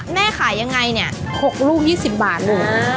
แม่ขายยังไงเนี่ย๖ลูก๒๐บาทลูก